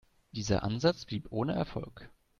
Dieser Ansatz blieb ohne Erfolg.